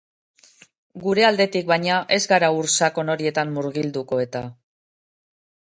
Gure aldetik, baina, ez gara ur sakon horietan murgilduko eta.